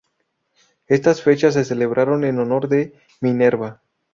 Estas fiestas se celebraban en honor de Minerva.